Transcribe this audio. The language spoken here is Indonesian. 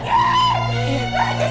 jangan bawa aku pergi